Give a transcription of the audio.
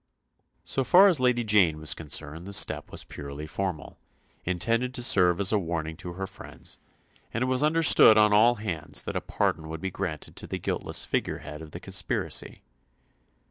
So far as Lady Jane was concerned the step was purely formal, intended to serve as a warning to her friends, and it was understood on all hands that a pardon would be granted to the guiltless figure head of the conspiracy.